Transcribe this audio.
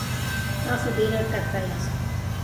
تاسو ډیر تکړه یاست.